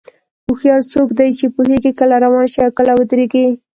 هوښیار څوک دی چې پوهېږي کله روان شي او کله ودرېږي.